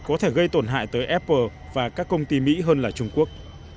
có thể gây tổn hại tới apple và các công ty mỹ hơn là trung quốc